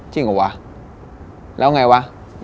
จริงเหรอวะแล้วไงวะ